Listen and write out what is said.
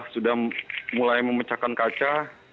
sudah mulai memecahkan kaca